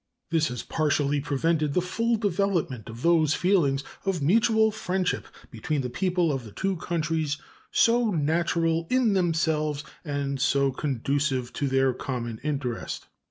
This has partially prevented the full development of those feelings of mutual friendship between the people of the two countries so natural in themselves and so conducive to their common interest.